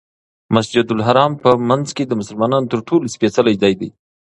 مسجدالحرام په منځ کې د مسلمانانو تر ټولو سپېڅلی ځای دی.